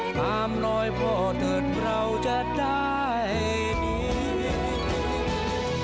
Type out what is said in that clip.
ถามหน่อยพ่อเถิดเราจะได้ดี